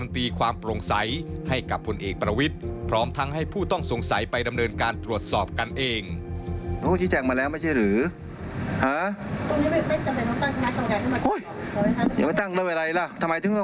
สองเขาไปทำประโยชน์อะไรเขาทำประโยชน์อะไรเขาไปเที่ยว